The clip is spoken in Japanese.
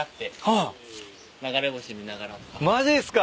マジっすか。